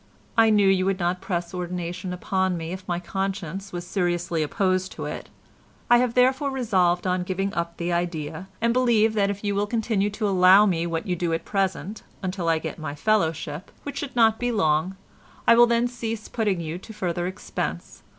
I knew you would not press ordination upon me if my conscience was seriously opposed to it; I have therefore resolved on giving up the idea, and believe that if you will continue to allow me what you do at present, until I get my fellowship, which should not be long, I will then cease putting you to further expense.